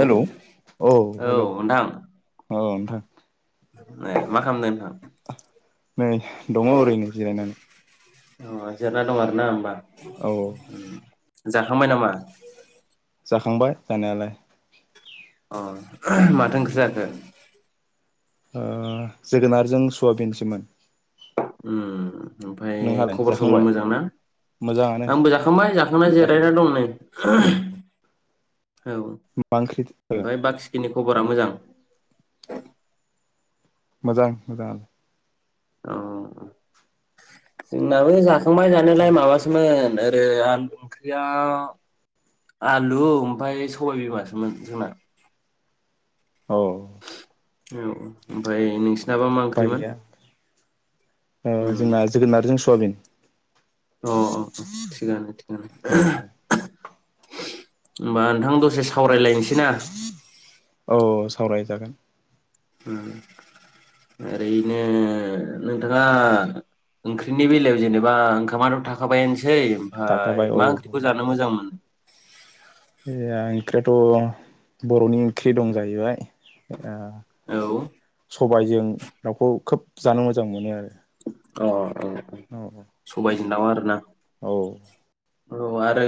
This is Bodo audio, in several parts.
हेलौ औ हेलौ नोंथां अ [unintelligible] ए मा खालामदों नोंथां? नै दङ ओरैनो जिरायनानै। अ जिरायना दं ना होनोमबा। औ जाखांबाय नामा? जाखांबाय जानायालाय। अ माथो ओंख्रि जाखो? ओ जोगोनारजों सवाबिनसोमोन। उम ओमफ्राय नोंहालाय खबर सबर जाखांबाय मोजांना मोजाङानो आंबो जाखांबाय जाखांना जाखां जिरायना दं नै। औ औ मा ओंख्रि ओमफ्राय बाखिखिनि खबरा मोजां? मोजां मोजांङालाय। औ जोंनाबो जा संबाय जानियालाय माबासोमोन [unintelligible] आल ओंख्रिया आलु ओमफ्राय सबायबिमासोमोन जोंना। औ औ औ ओमफ्राय नोंसि दाबा मा ओंख्रिमोन गैया ओ उ जोंना जोगोनारजों सवाबिन अ अ अ थिगानो थिगानो। औ होमबा नोंथां दसेस औ सावरायजागोन ओ ओरैनो नोंथाङा ओंख्रिनि बेलायाव जेनेबा ओंखामाथ थाखाबायानोसै सै ओमफफ्राय थाखाबाय औ मा ओंख्रिखौ जानो मोजां मोनो ए ओंख्रियाथ बरनि ओंख्रि दं जाहैबाय आ औ स सबबायजों दाउखौ खोब जानो मोजां मोनो आरो अ औ औ सबय दाव आरो ना औ औ आरो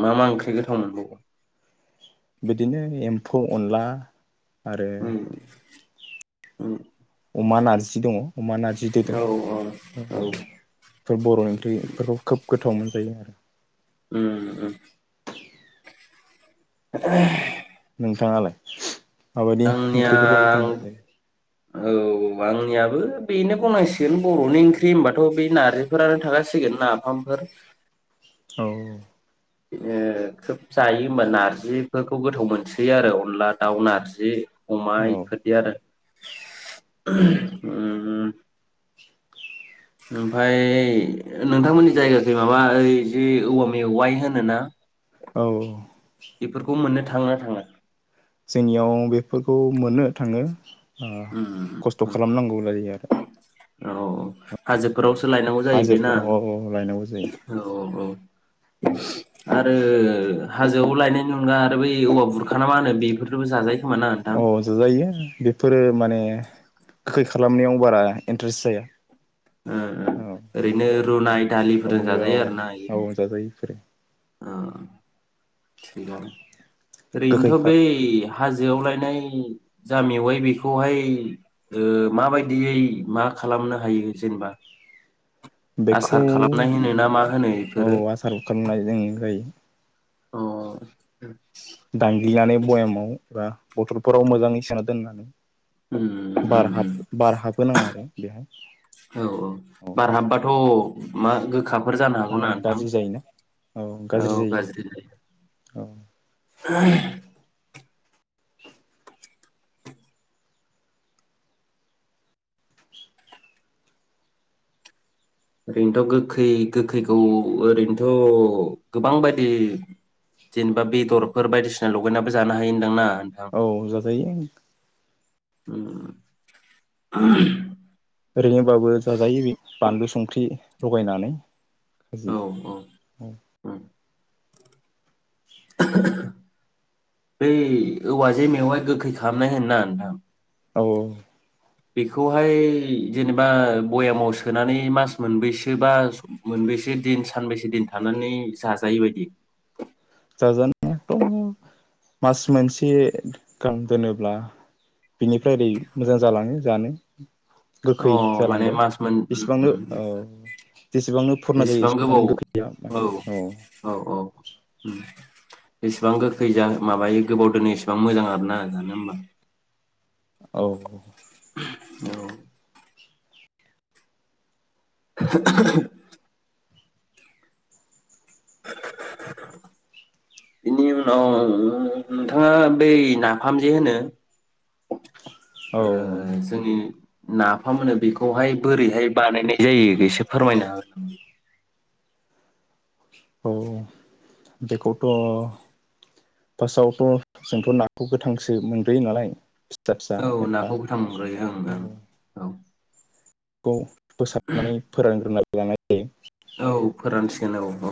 मा मा ओंख्रि गोथाव मोनबावगौ बिदिनो एम्फौ अनला आरो ओम अमा नारजि दङ। अमा नारजि दोलो औ बेफोर बर ओंख्रिफोरखौ खोब गोथाव मोन जायो आरो उम उम नोंथाङालाय माबायदि आंनिया ओंख्रिफोर [unintelligible] औ आंनियाबो बेनो गनायांसिगोन बरनि ओंख्रि होनबाथ बे नारजिफोरानो थागासिगोन नाफामफोर औ ओ खोब जायो होमबा नारजिफोरखौ गोथाव मोनसोयो आरो अनला दाउ नारजि अमा औ इफोरदि आरो उम उम ओमफफ्राय नोंथांमोननि जायगााख माबा ओइ जि औवा मेवाइ होनोना औ बेफोरखौ मोननो थांना थाङा? जोंनियाव बेफोरखौ मोननो थाङो। उम खस्थ उम खालामनांगौ लायो आरो औ औ हाजोफोरावसो लायनांगौ जायो बेना हाजोफोराव लायनांगौ जायो औ औ औ आरो हाजोआव लायनायनि अनगा आरो बै औवा बुरखा ना मा होनो बेफोरबो जानाय अ ज जायो बेफोरो माने गोखै खालामनायाव बारा इन्ट्रेस्ट जाया ओ ओ औ ओरैनो रुनाय औ दालिफोरजों जाजायो आरो ना नैयाव औ इयो जाजायो बेफोरो ओ थोजागोन ओरैनोथ गोखै खा बै हाजोआव लायनाय जा मेवाइ बेखौहाय ओ माबायदियै मा खालामनो हायो जेनेबा बेखौ आसार खालामनाय होनो ना मा होनो औ बेफोरो आसार खालामनाय जों जायो। अ दांग्लिनानै बयामाव बा बथलफोराव मोजाङै सोनना दोननानै उम बार हाब उम बार हाबहोनाङा आरो बेहाय औ औ औ बार हाबबाथ' मा गोखाब फोर जानो हागौ ना नोंथां गाज्रि जायोना औ गाज्रि जायो औ ओरैनोथ गोखै गोखैखौ ओरैनोथ गोबां बायदि जेनेबा बेदरफोर बायदिसिना लगायनानैबो जानो हायो होनदां ना औ जाजायो। उम ओरैनोबाबो जाजायो बे बानलु संख्रि लगायनानै खाजि औ औ औ उम [inaudible] बै औवाजे मेवाय गोखै खालनाय होन ना नोंथां औ बेखौहाय जेनेबा बयामाव सोनानै मास मोनबैसो बा मोनबेसे दिन सानबेसे दिन थानानै जा जायो बादि जाजानाया एथ मास मोनसे गां दोनोब्ला बिनिफ्राय ओरै मोजां जालाङो जानो अ गोखै माने जालांबाय मास मोन उम जसेबांनो उम उम औ जेसेबांनो फुरना जायो जेसेबां गोबाव एसेबांनो गोखैया माने औ एसेबां गोखै जा माबायो गोबाव दोनो एसेबां मोजां आरोना जानो होमबा औ औ [inaudible] बेनि उनाव नोंथाङा बै नाफाम जे होनो औ ओ जोंनि नाफाम होनो बेखौहाय बोरैहाय बानायनाय जायो एसे फोरमायना हो औ बेखौथ' फार्स्टआवथ' जोंथ नाखौ गोथांसो मोनग्रोयो नालाय फिसा फिसा औ एबा नाखौ गोथां मोनग्रोयो ओं ओं औ औ खौ फोसाबनानै फोरानग्रोनाय [unintelligible] औ फोरान सिगोन औ -औ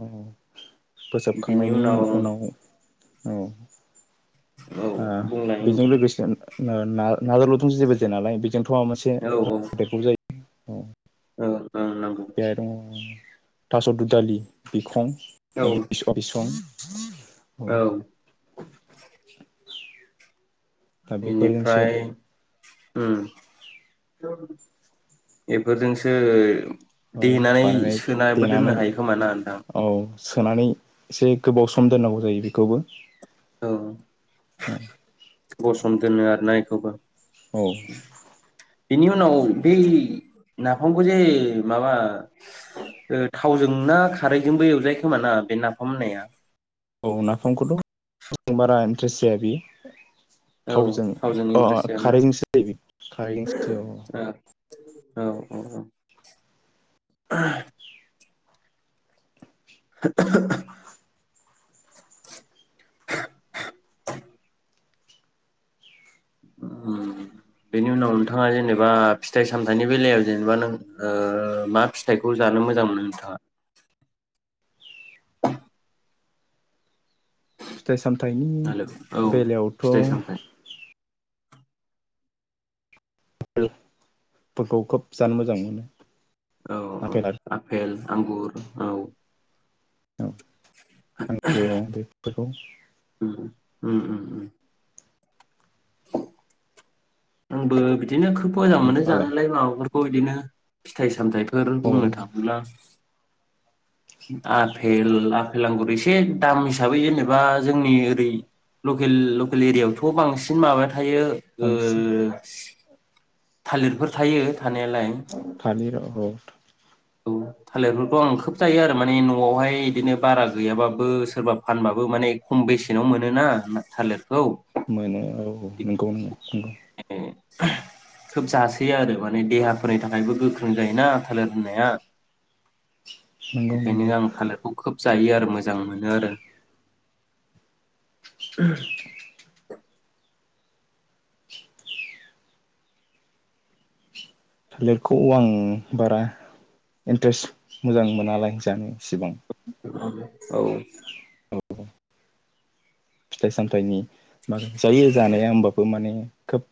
अ फोसाब खांनायनि उनाव औ औ आ बुंलाय बेजों नोंथां लोगोसे नो ना [unintelligible] जेबो जाया नालाय बेजोंथ' माबा मोनसे नांदेरगौ जायो। ओं ओ-ओम नंगौ। थास' दुलालि बिखं औ [unintelligible] बिसं [unintelligible] औ दा बेफोरजोंसो बेनिफ्राय ओम इफोरजोंसो औ देनानै बानायनाय सोनाबो दोननो देनानै हायो खोमा ना नोंथां? औ सोनानै एसे गोबाव सम दोननांगौ जायो बेखौबो औ गसम दोनो आरोना इखौबो? औ बेनि उनाव बै नाफामखौ जे माबा ओ थावजों ना खारैजोंबो एवजायो खोमा ना बे नाफाम होननाया? औ नाफामखौथ' बारा इन्ट्रेस्ट जाया बियो। औ थावजों अ-अ इन्ट्रेस्ट जायाना खारैजोंसो जायो बियो खारैजोंसो अ-अ औ-औ-औ [unintelligible] [unintelligible] ओम बेनि उनाव नोंथाङा जेनेबा फिथाइ सामथायाइनि बेलायाव जेनेबा नों ओ मा फिथाइखौ जानो मोजां मोनो नोंथाङा? फिथाइ सामथाइनि हेलौ औ बेलायावथ' फिथाइ सामथाइ [unintelligible] फोरखौ खोब जानो मोजां मोनो औ-औ आफेल आपेल आंगुर औ, [unintelligible] बेफोरखौ उम उम -उम- उम [unintelligible] आंबो बि- दिनो खोब मोजां मोनो मालाय जानायलाय माबाफोर बेखौ बिदिनो फिथाइ सामथाय फोर औ बुंनो थाङोब्ला आपेल आपेल आंगुर एसे दाम हिसाबै जेनेबा जोंनि ओरै लखेल लखेल एरियायावथ' बांसिन माबा हायो ओ ओ बांसिन थालिरफोर थायो थानायालाय थालिर रड। औ थालिरफोरखौ आं खोब जायो आरो माने न'आवहाय बिदिनो बारा गैयाबाबो सोरबा फानबाबो माने खम बेसेनाव मोनोना थालिर। मोनो औ नंगौ नंगौ। बिदिनो खोब जासोयो आरो माने देहाफोरनि थाखायबो गोख्रों जायोना थालिर। होनाया। नंगौ ओंखायनो नंगौ आं थालिरखौ खोब। जायो आरो मोज मोजां मोनो आरो। [inaudible] थालिरखौ आं बारा इन्ट्रेस्ट मोजां मोनालाय जानो इ सिबां। औ। औ। फिथाइ सामथाइनि। मा जायो जानाया होमबाबो माने। खोब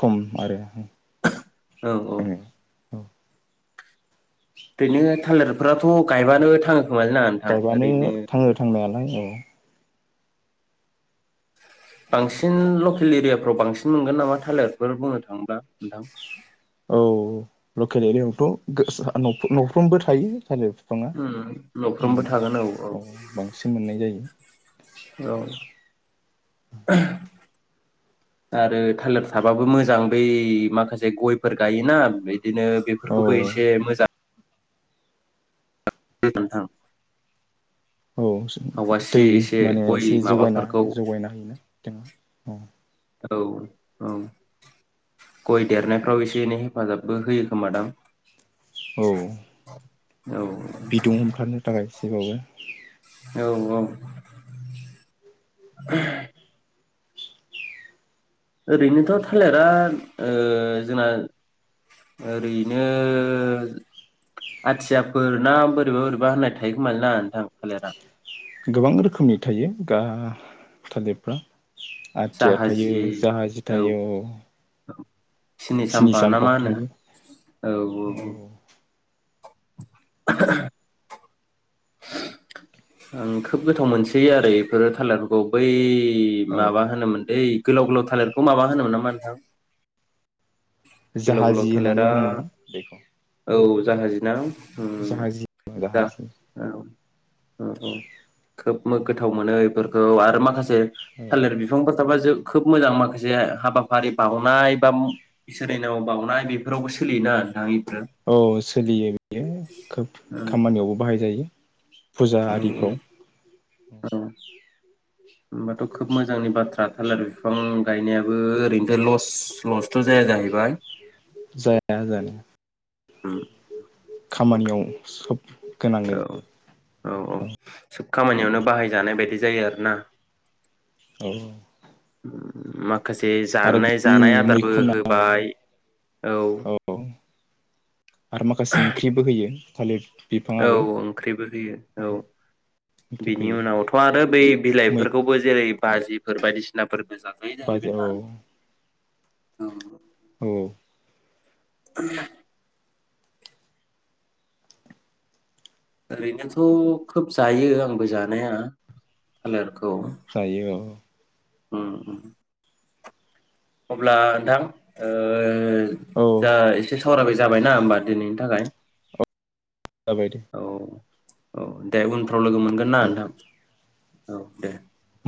खम। आरो औ औ। आङो औ। ओरैनो थालिरफोराथ' गायबानो थाङो। खोमालै ना नोंथां गायबानो ओरैनो थाङो थांनायलाय औ। [inaudible] बांसिन लकेल एरियाफ्राव बांसिन मोनगोन नामा थालिरफोर बुंनो थाङोबा नोंथां? औ लकेल एरियआवथ' गोस हा नफ-नफ्रोमबो थायो थालिर बिफाङा उम औ बांसिन मोननाय जायो। औ आरो थालिर थाबाबो मोजां बै माखासे गयफोर गायोना बेद बिदिनो औ बेफोरखौबो एसे मोजां दे नोंथां। औ दै आवासि एसे माने गय एसे जगायना माबाफोरखौ जगायना होयोना बिथाङा औ। औ औ गय देरनायफ्राव एसे एनै हेफाजाबबो होयो खोमा दां। औ [inaudible] बिदुं हमथानो थाखाय इस [inaudible] औ औ। ओरैनोथ थालिरा ओ जोंना ओरैनो आथियाफोर ना बोरैबा बोरैबा होननाय थायोखोमालै ना नोंथां थालिरा। गोबां रोखोमनि थायो गा थालिरफ्रा। आथिया थायो जाहाजि जाहाजि औ थायो। सिनि साम्फा ना मा होनो औ औ औ। [inaudible] आं खोब गोथाव मोनसै आरो इफोर थालिरखौ बै औ माबा होनोमोन दै गोलाव गोलाव थालिरखौ माबा होनोमोन नामा नोंथां गोलाव गोलाव जाहाजि होननानै थालिरा बुङोमोन बेखौ औ जाहाजि ना जाहाजि दा जाहाजि औ औ खोब गोथाव मोनो इफोरखौ आरो माखासे औ थालिर बिफां खोब मोजां माखासे हाबाफारि बावनाय बा इसोरनि नामआव बावनाय बेफोरावबो सोलियोना नोंथां इ औ सोलियो बियो खोब औ खामानियावबो बाहाय जायो फुजा औ आरिफ्राव औ होमबाथ खोब मोजांनि बाथ्रा थालार बिफां गायनायाबो ओरैनोथ लस-लसथ जाया जाहैबाय जाया जानो उम खामानियाव सोब गोनां गो औ औ औ सोब खामानियावनो बाहायजानाय बायदि जायो आरोना औ मा आरो बिनि मैखुना होबाय औ आरो माखासे ओंख्रिबो होयो थालिर औ बिफाङाबो ओंख्रिबो होयो औ ओंख्रि बिनि फैयो उनावथ आरो बै मै बिलाइफोरखौबो जेरै बाजिफोर बायदिसिनाफोर जाजायो बाजो जाहैबाय था औ औ। औ। [inaudible] ओरैनोथ' खोब जायो आंबो जानाया थालिरखौ। जायो औ। ओम। अब्ला नोंथां ओ औ दा एसे सावरायबाय जाबायना होमबा दिनैनि थाखाय? जाबाय दे। औ औ दे उन फोराव लोगो मोनगोन ना औ नोंथां? औ दे।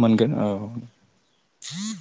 मोनगोन औ।